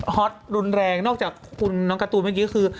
ฮอตรุนแรงนอกจากคุณน้องการ์ตูนเมื่อกี้คือ